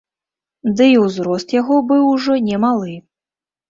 Дый узрост яго быў ужо немалы.